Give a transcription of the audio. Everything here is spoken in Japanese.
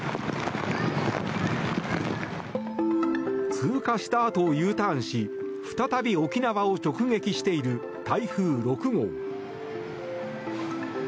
通過したあと、Ｕターンし再び沖縄を直撃している台風６号。